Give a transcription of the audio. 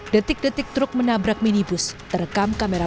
detik detik truk menabrak minibus terekam kamera